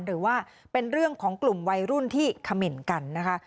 หรือว่าเป็นเรื่องของกลุ่มวัยรุ่นที่เขม่นกันนะคะ